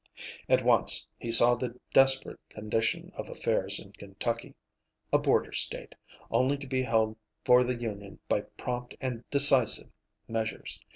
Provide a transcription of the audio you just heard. At once he saw the desperate condition of affairs in Kentucky a border State, only to be held for the Union by prompt and decisive measures.